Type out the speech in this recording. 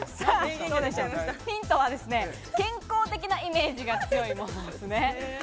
ヒントはですね、健康的なイメージが強いものですね。